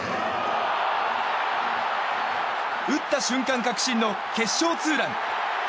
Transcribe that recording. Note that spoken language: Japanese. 打った瞬間、確信の決勝ツーラン！